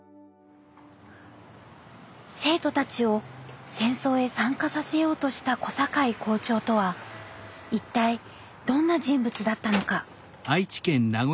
生徒たちを戦争へ参加させようとした小坂井校長とは一体どんな人物だったのか。